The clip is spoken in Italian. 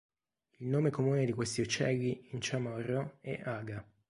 Il nome comune di questi uccelli in chamorro è aga.